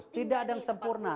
tidak ada yang sempurna